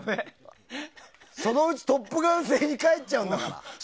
そのうち「トップガン」星に帰っちゃうんだから。